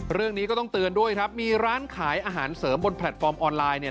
เรื่องนี้ก็ต้องเตือนด้วยครับมีร้านขายอาหารเสริมบนแพลตฟอร์มออนไลน์เนี่ย